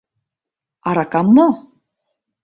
Аракам мо?